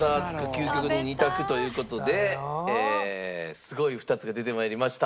究極の２択という事ですごい２つが出て参りました。